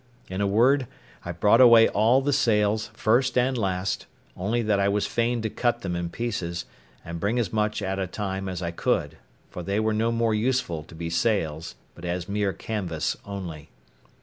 In a word, I brought away all the sails, first and last; only that I was fain to cut them in pieces, and bring as much at a time as I could, for they were no more useful to be sails, but as mere canvas only.